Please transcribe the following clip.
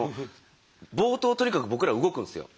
冒頭とにかく僕ら動くんですよ。